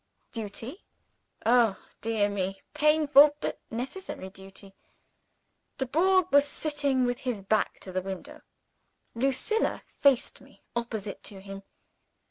(Duty! oh, dear me, painful, but necessary duty!) Dubourg was sitting with his back to the window. Lucilla faced me opposite to him.